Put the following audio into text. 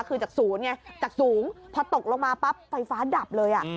คือจากสูงพอตกลงมาปั๊บไฟฟ้าดับเลย